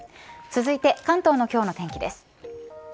続いて関東の今日の天気です。